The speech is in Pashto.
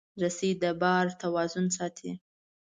رسۍ د بار توازن ساتي.